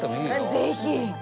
ぜひ！！